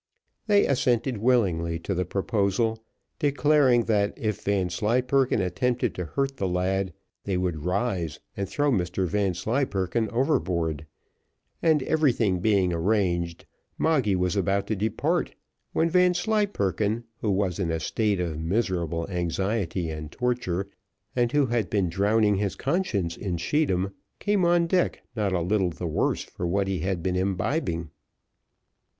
They assented willingly to the proposal, declaring that if Vanslyperken attempted to hurt the lad, they would rise, and throw Mr Vanslyperken overboard; and everything being arranged, Moggy was about to depart, when Vanslyperken, who was in a state of miserable anxiety and torture, and who had been drowning his conscience in scheedam, came on deck not a little the worse for what he had been imbibing.